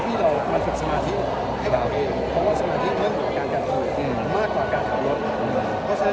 เพราะว่าสมาธิมันการเกิดกินมากกว่าการทำรถ